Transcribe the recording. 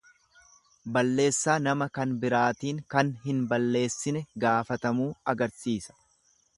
Balleessaa nama kan biraatiin kan hin balleessine gaafatamuu agarsiisa.